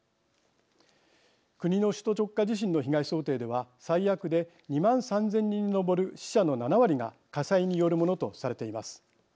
国の首都直下地震の被害想定では最悪で２万３，０００人に上る死者の７割が火災によるものとされています。